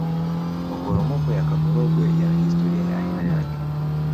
maporomoko ya kaporogwe yana hisitoria ya aina yake